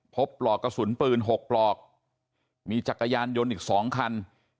ปลอกกระสุนปืน๖ปลอกมีจักรยานยนต์อีก๒คัน